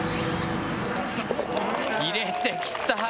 入れてきた。